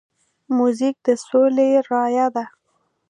موزیک د سولې رایه ده.